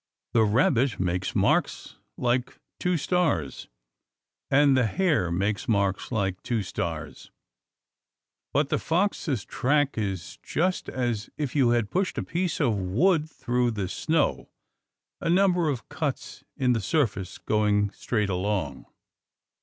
The rabbit makes marks like , and the hare makes marks like ; but the fox's track is just as if you had pushed a piece of wood through the snow a number of cuts in the surface, going straight along.